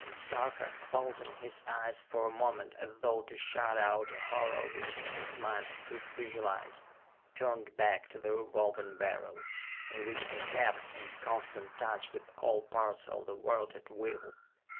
Sarka, closing his eyes for a moment as though to shut out a horror which in his mind he could visualize, turned back to the Revolving Beryl, in which he kept in constant touch with all parts of the world at will.